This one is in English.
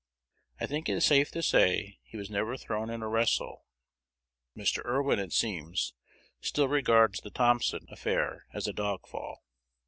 I think it safe to say he was never thrown in a wrestle. [Mr. Irwin, it seems, still regards the Thompson affair as "a dog fall."